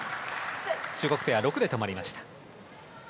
中国ペア、６で止まりました。